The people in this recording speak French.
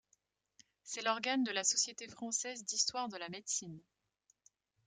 C'est l'organe de la Société française d'histoire de la médecine.